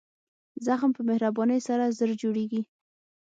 زخم په مهربانۍ سره ژر جوړېږي.